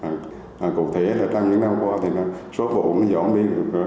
nó cụ thể là trong những năm qua thì số vụ nó dọn đi hai mươi ba mươi